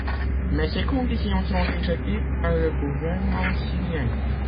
Mais ces conditions sont rejetées par le gouvernement syrien.